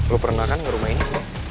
lo pernah kan nge rumah ini